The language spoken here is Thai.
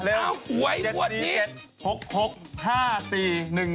อ้าวหัวไอ้หัวนี้